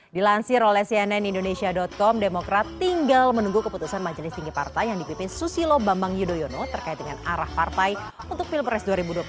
dilansir oleh cnn indonesia com demokrat tinggal menunggu keputusan majelis tinggi partai yang dipimpin susilo bambang yudhoyono terkait dengan arah partai untuk pilpres dua ribu dua puluh empat